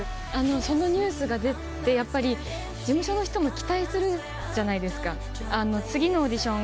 そのニュースが出てやっぱり事務所の人も期待するじゃないですか。